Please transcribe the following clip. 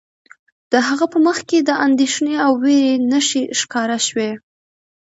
د هغه په مخ کې د اندیښنې او ویرې نښې ښکاره شوې